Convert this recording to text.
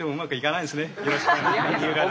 よろしくお願いします。